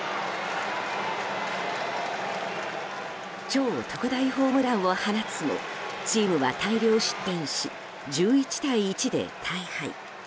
超特大ホームランを放つもチームは大量失点し１１対１で大敗。